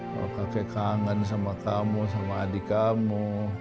kalau kakek kangen sama kamu sama adik kamu